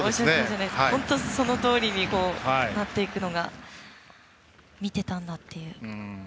本当にそのとおりになっていくのが見てたんだっていう。